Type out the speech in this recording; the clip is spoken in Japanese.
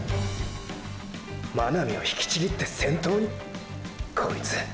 真波を引きちぎって先頭に⁉こいつ！！